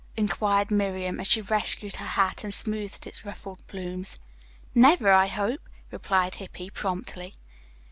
inquired Miriam, as she rescued her hat, and smoothed its ruffled plumes. "Never, I hope," replied Hippy promptly.